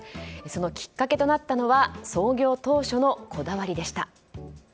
そのきっかけとなったのは創業当初のこだわりでした。